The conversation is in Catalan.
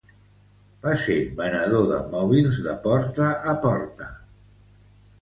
Va ser venedor de mòbils de porta a porta.